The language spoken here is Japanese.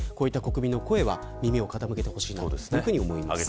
こういった国民の声には耳を傾けてほしいと思います。